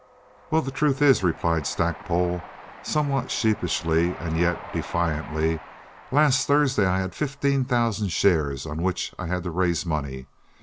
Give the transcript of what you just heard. "Well, the truth is," replied Stackpole, somewhat sheepishly and yet defiantly, "last Thursday I had fifteen thousand shares on which I had to raise money.